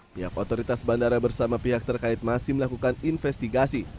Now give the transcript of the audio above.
pihak otoritas bandara bersama pihak terkait masih melakukan investigasi